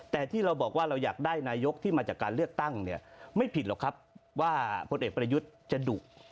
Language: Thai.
แต่ที่เราบอกว่าเราอยากได้นายกที่มาจากการเลือกตั้งเนี่ยไม่ผิดหรอกครับว่าพลเอกประยุทธ์จะดุ